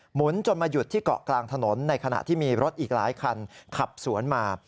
จนมาหยุดที่เกาะกลางถนนในขณะที่มีรถอีกหลายคันขับสวนมา